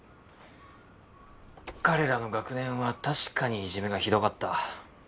彼らの学年は確かにいじめがひどかった。